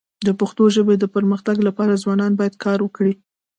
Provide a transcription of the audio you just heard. د پښتو ژبي د پرمختګ لپاره ځوانان باید کار وکړي.